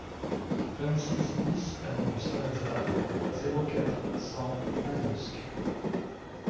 vingt-six BIS avenue Saint-Lazare, zéro quatre, cent, Manosque